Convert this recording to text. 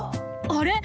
あれ？